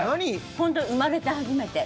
本当生まれて初めて。